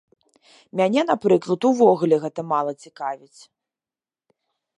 Мяне, напрыклад, увогуле гэта мала цікавіць.